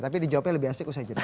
tapi dijawabnya lebih asik usai jeda